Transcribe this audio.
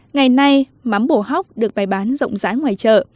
ngày nay mắm bổ hóc được bày bán rộng rãi ngoài chợ